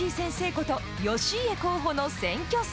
こと義家候補の選挙戦。